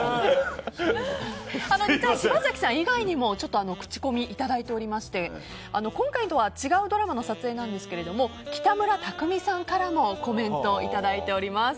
実は柴咲さん以外にも口コミをいただいておりまして今回とは違うドラマの撮影なんですけれども北村匠海さんからもコメント、いただいております。